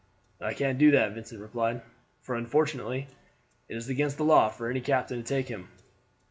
"I can't do that," Vincent replied; "for unfortunately it is against the law for any captain to take him."